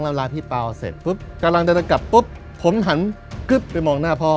แล้วเวลาที่เปล่าเสร็จปุ๊บกำลังจะกลับปุ๊บผมหันกึ๊บไปมองหน้าพ่อ